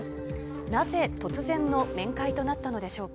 なぜ突然の面会となったのでしょうか。